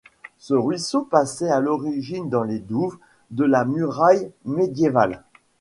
Ce ruisseau passait à l'origine dans les douves de la muraille médiévale.